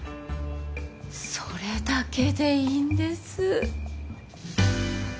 それだけでいいんです。